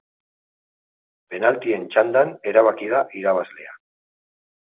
Penaltien txandan erabaki da irabazlea.